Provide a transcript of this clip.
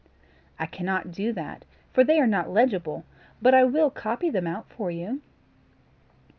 "I cannot do that, for they are not legible; but I will copy them out for you."